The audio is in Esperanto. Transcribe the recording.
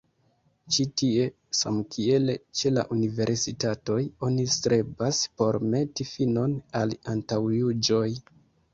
Ĉi tie, samkiel ĉe la universitatoj, oni strebas por meti finon al antaŭjuĝoj".